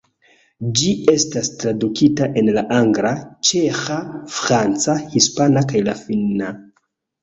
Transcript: Ĝi estas tradukita en la angla, ĉeĥa, franca, hispana, kaj la finna.